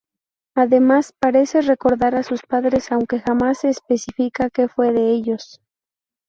Además parece recordar a sus padres, aunque jamás se especifica que fue de ellos.